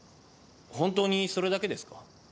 本当にそれだけですか？